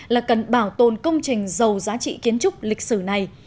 là cần bảo tồn công trình giàu giá trị kiến trúc lịch sử này